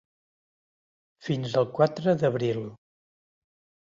Fins al quatre d’abril.